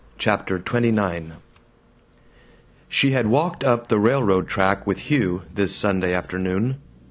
CHAPTER XXIX SHE had walked up the railroad track with Hugh, this Sunday afternoon.